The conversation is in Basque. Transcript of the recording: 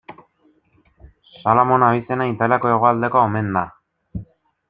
Salamone abizena Italiako hegoaldekoa omen da.